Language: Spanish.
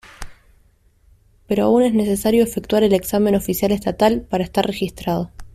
Pero aún es necesario efectuar el examen oficial estatal para estar registrado.